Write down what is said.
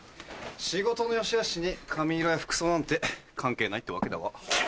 仕事のよしあしに髪色や服装なんて関係ないってわけだわ。